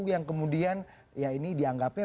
yang kemudian ya ini dianggapnya